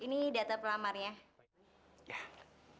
ini data pelamarnya